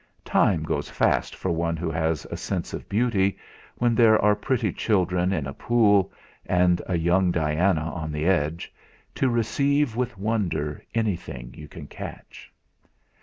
Time goes fast for one who has a sense of beauty, when there are pretty children in a pool and a young Diana on the edge, to receive with wonder anything you can catch!